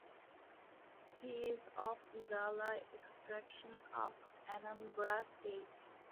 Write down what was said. He is of Igala extraction of Anambra State.